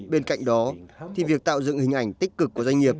bên cạnh đó thì việc tạo dựng hình ảnh tích cực của doanh nghiệp